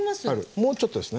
もうちょっとですね。